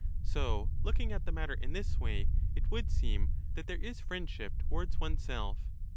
So looking at' the matter in this way it would seem that there is friend 1211^ ship towards oneself.